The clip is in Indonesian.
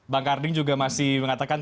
bang karding juga masih mengatakan